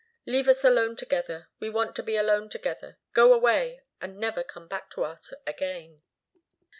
"Leave us alone together. We want to be alone together. Go away and never come back to us again."